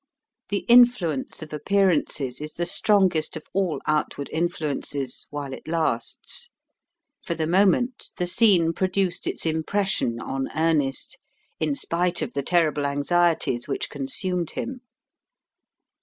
The influence of appearances is the strongest of all outward influences, while it lasts. For the moment the scene produced its impression on Ernest, in spite of the terrible anxieties which consumed him.